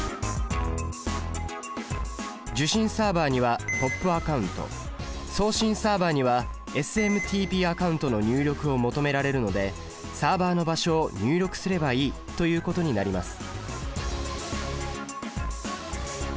受信サーバにはＰＯＰアカウント送信サーバにはＳＭＴＰアカウントの入力を求められるのでサーバの場所を入力すればいいということになります。